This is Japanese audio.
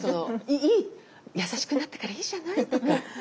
いい優しくなったからいいじゃないとか。